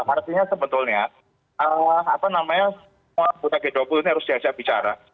artinya sebetulnya semua anggota g dua puluh ini harus diajak bicara